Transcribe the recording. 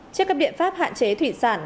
trước các biện pháp hạn chế thủy sản